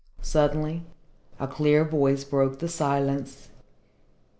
Suddenly a clear voice broke the silence.